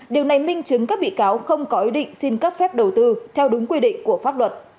điều này minh chứng các bị cáo không có ý định xin cấp phép đầu tư theo đúng quy định của pháp luật